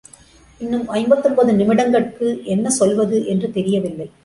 இன்னும் ஐம்பத்தொன்பது நிமிடங்கட்கு என்ன சொல்வது என்று தெரியவில்லை.